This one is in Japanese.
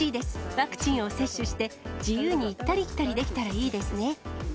ワクチンを接種して、自由に行ったり来たりできたらいいですね。